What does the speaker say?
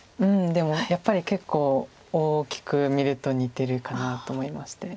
でもやっぱり結構大きく見ると似てるかなと思いまして。